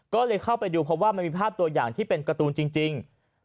ก็เลยเข้าไปดูเพราะว่ามันมีภาพตัวอย่างที่เป็นการ์ตูนจริง